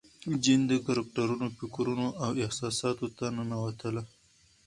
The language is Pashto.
جین د کرکټرونو فکرونو او احساساتو ته ننوتله.